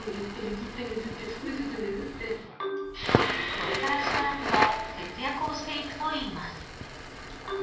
これからしばらくは節約をしていくといいます。